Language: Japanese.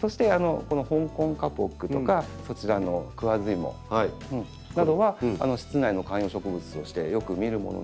そして「ホンコンカポック」とかそちらの「クワズイモ」などは室内の観葉植物としてよく見るものなんですけども